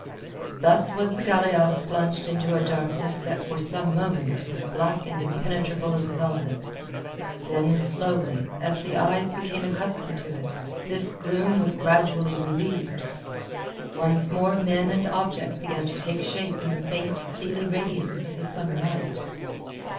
Thus was the galeasse plunged into a darkness that for some moments was black and impenetrable as velvet. Then slowly, as the eyes became accustomed to it, this gloom was gradually relieved. Once more men and objects began to take shape in the faint, steely radiance of the summer night.